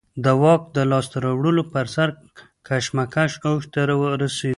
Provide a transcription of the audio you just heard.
د واک د لاسته راوړلو پر سر کشمکش اوج ته ورسېد.